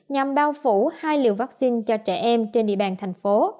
nhằm bao phủ hai liều vaccine cho trẻ em trên địa bàn thành phố